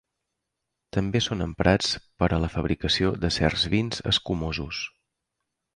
També són emprats per a la fabricació de certs vins escumosos.